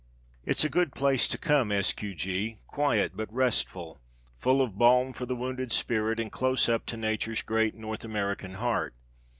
It's a good place to come, S. Q. G. Quiet but restful; full of balm for the wounded spirit and close up to nature's great North American heart.